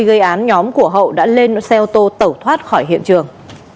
gây án nhóm của hậu đã lên xe ô tô tẩu thoát khỏi hiện trường